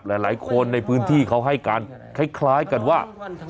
หลายหลายคนในพื้นที่เขาให้กันคล้ายคล้ายกันว่า